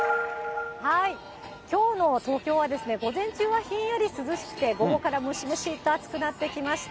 きょうの東京は、午前中はひんやり涼しくて、午後からムシムシっと暑くなってきました。